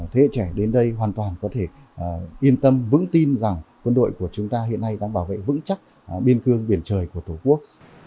thế hệ trẻ đến đây hoàn toàn có thể yên tâm vững tin rằng quân đội của chúng ta hiện nay đang bảo vệ vững chắc biên cương biển trời của tổ quốc